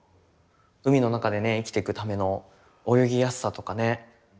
海の中でね生きてくための泳ぎやすさとかね。